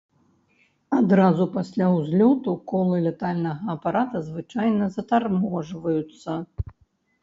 Адразу пасля ўзлёту колы лятальнага апарата звычайна затарможваюцца.